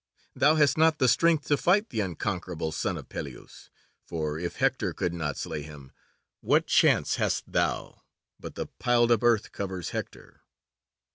Thou hast not the strength to fight the unconquerable son of Peleus, for if Hector could not slay him, what chance hast thou? But the piled up earth covers Hector!"